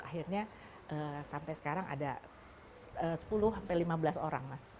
akhirnya sampai sekarang ada sepuluh lima belas orang mas